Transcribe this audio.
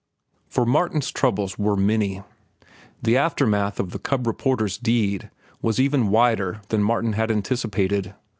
For Martin's troubles were many. The aftermath of the cub reporter's deed was even wider than Martin had anticipated.